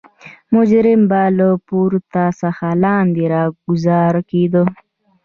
مجرم به له پورته څخه لاندې راګوزار کېده.